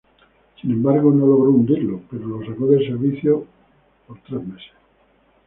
Sin embargo no logró hundirlo; pero lo sacó de servicio por tres meses.